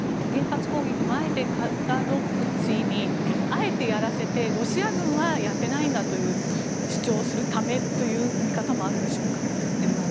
原発攻撃もあえてカディロフツィにあえてやらせてロシア軍はやってないんだという主張をするためという見方もあるでしょうか。